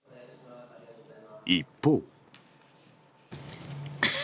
一方。